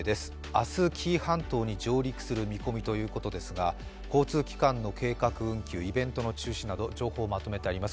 明日、紀伊半島に上陸する見込みということですが、交通機関の計画運休、イベントの中止など情報をまとめてあります。